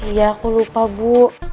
iya aku lupa bu